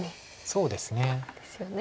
そうですね。